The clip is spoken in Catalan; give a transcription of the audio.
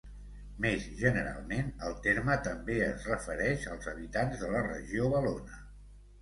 Més generalment, el terme també es refereix als habitants de la regió valona.